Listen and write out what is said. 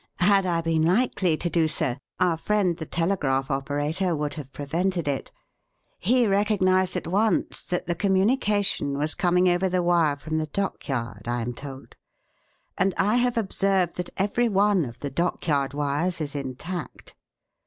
"Had I been likely to do so, our friend the telegraph operator would have prevented it. He recognized at once that the communication was coming over the wire from the dockyard, I am told; and I have observed that every one of the dockyard wires is intact.